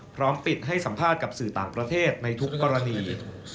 พร้อมปิดให้สัมภาษณ์กับสื่อต่างประเทศในทุกกรณี